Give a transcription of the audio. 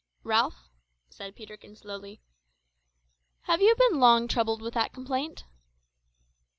"Ralph," said Peterkin slowly, "have you been long troubled with that complaint?"